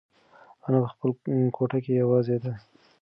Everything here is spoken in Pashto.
انا په خپله کوټه کې یوازې ده.